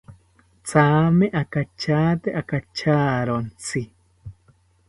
Thame akachate akacharontzi